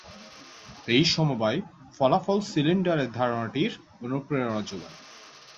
এই সমবায় ফলাফল সিলিন্ডারের ধারণাটির অনুপ্রেরণা জোগায়।